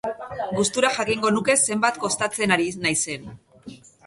Gustura jakingo nuke zenbat kostatzen ari naizen.